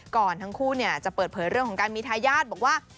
ก่อนทั้งคู่จะเปิดเผยเรื่องของการมีทายาทบอกว่า